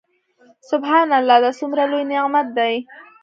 سبحان الله دا څومره لوى نعمت دى.